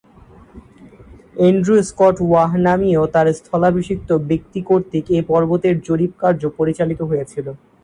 Andrew Scott Waugh নামীয় তার স্থলাভিষিক্ত ব্যক্তি কর্তৃক এ পর্বতের জরীপ কার্য পরিচালিত হয়েছিল।